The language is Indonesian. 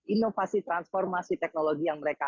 inovasi transformasi teknologi yang mereka